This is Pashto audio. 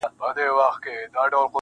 که په ځان هرڅومره غټ وو خو غویی وو -